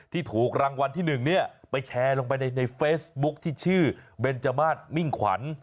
ถูกรางวัลที่๑เนี่ยไปแชร์ลงไปในเฟซบุ๊คที่ชื่อเบนจมาสมิ่งขวัญ